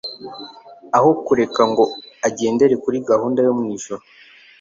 aho kureka ngo agendere kuri gahunda yo mu ijuru.